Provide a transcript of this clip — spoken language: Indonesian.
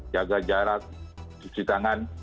jaga jarak cuci tangan